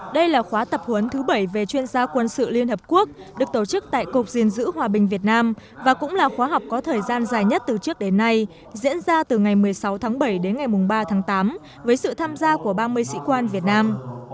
đây là khóa tập huấn thứ bảy về chuyên gia quân sự liên hợp quốc được tổ chức tại cục diên dữ hòa bình việt nam và cũng là khóa học có thời gian dài nhất từ trước đến nay diễn ra từ ngày một mươi sáu tháng bảy đến ngày ba tháng tám với sự tham gia của ba mươi sĩ quan việt nam